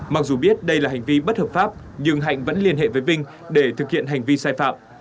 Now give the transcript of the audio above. mặc dù biết đây là hành vi bất hợp pháp nhưng hạnh vẫn liên hệ với vinh để thực hiện hành vi sai phạm